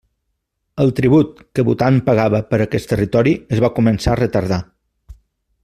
El tribut que Bhutan pagava per aquest territori es va començar a retardar.